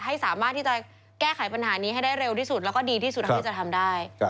ให้สามารถที่จะแก้ไขปัญหานี้ให้ได้เร็วที่สุดแล้วก็ดีที่สุดเท่าที่จะทำได้